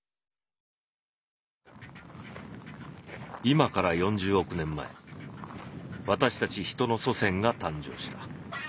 今から４０億年前私たち人の祖先が誕生した。